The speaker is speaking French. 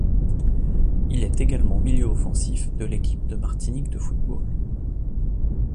Il est également milieu offensif de l'Équipe de Martinique de football.